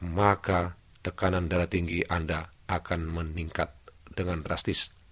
maka tekanan darah tinggi anda akan meningkat dengan drastis